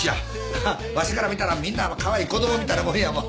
わしから見たらみんなカワイイ子供みたいなもんやもん。